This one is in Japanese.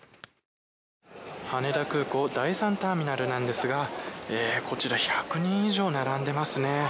羽田空港第３ターミナルなんですがこちら１００人以上並んでますね。